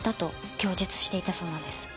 供述していたそうなんです。